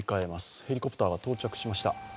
ヘリコプターが到着しました。